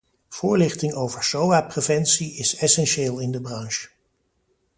Voorlichting over soa-preventie is essentieel in de branche.